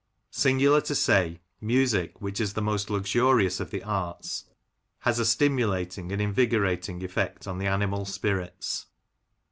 Singular to say, music, which is the most luxurious of the arts, has a stimulating and invigorating effect on the animal spirits.